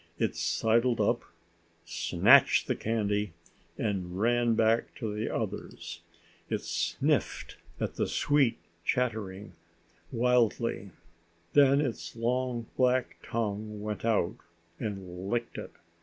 It sidled up, snatched the candy, and ran back to the others. It sniffed at the sweet, chattering wildly. Then its long black tongue went out and licked it.